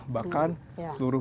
bukan untuk minang